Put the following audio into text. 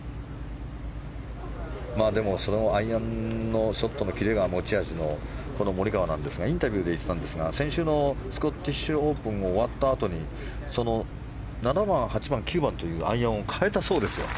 でも、そのアイアンのショットのキレが持ち味のこのモリカワですがインタビューで言っていたんですが先週のスコティッシュオープン終わったあとに７番８番９番というアイアンを変えたそうですよ。